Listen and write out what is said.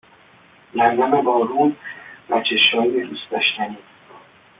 نم نم بارون و چشای دوست داشتنیت